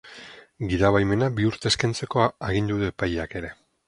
Gidabaimena bi urtez kentzeko agindu du epaileak ere.